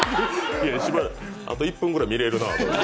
あと１分ぐらい見れるなと。